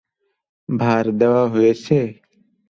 ভার দেয়া হয়েছে?